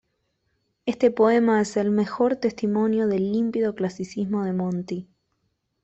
Este poema es el mejor testimonio del límpido clasicismo de Monti.